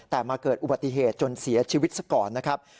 แต่มาเกิดอุบัติเหตุจนเสียชีวิตซะก่อนนะครับ